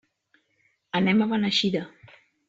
Anem a Beneixida.